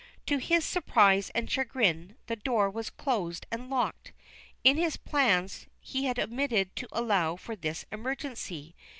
To his surprise and chagrin, the door was closed and locked. In his plans he had omitted to allow for this emergency.